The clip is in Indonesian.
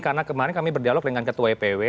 karena kemarin kami berdialog dengan ketua ipw